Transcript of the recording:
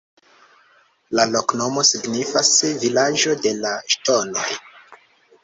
La loknomo signifas: "Vilaĝo de la Ŝtonoj".